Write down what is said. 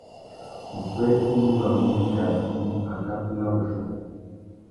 Upwê i timbamú wikā ibi, akakú na wuchiô.